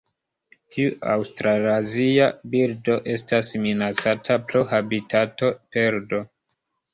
Tiu aŭstralazia birdo estas minacata pro habitatoperdo.